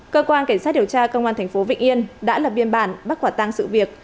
cơ quan cảnh sát điều tra công an tp vịnh yên đã là biên bản bắt quả tăng sự việc